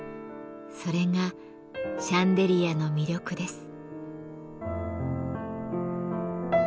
それがシャンデリアの魅力です。